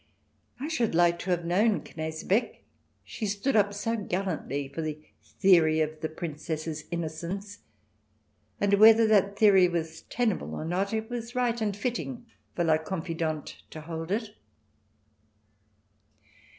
I should like to have known Knesebeck. She stood up so gallantly for the theory of the Princess's innocence, and whether that theory was tenable or not, it was right and fitting for La Con fidante to hold it.